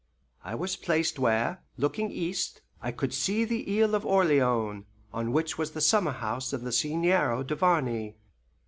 I was placed where, looking east, I could see the Island of Orleans, on which was the summer house of the Seigneur Duvarney.